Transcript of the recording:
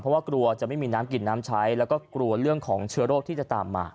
เพราะว่ากลัวจะไม่มีน้ำกินน้ำใช้แล้วก็กลัวเรื่องของเชื้อโรคที่จะตามมา